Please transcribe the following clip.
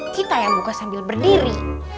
kita yang buka sambil berdiri